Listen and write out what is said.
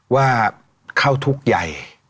ว่าเข้าทุกข์ใหญ่